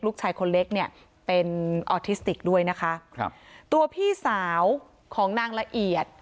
ลูกชายคนเล็กเนี่ยเป็นออทิสติกด้วยนะคะครับตัวพี่สาวของนางละเอียด